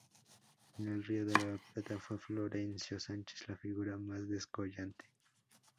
En el Río de la Plata fue Florencio Sánchez la figura más descollante.